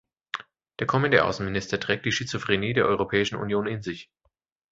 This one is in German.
Der kommende Außenminister trägt die Schizophrenie der Europäischen Union in sich.